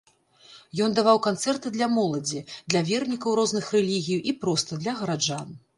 Ён даваў канцэрты для моладзі, для вернікаў розных рэлігій і проста для гараджан.